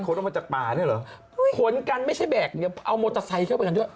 ทั้งหมด๑๕๐๕กิโลกรัมขนกันไม่ใช่แบกเอามอเตอร์ไซค์เข้าไปกันด้วย